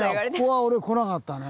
ここは俺来なかったね。